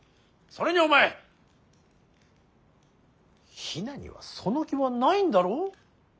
それにお前比奈にはその気はないんだろ。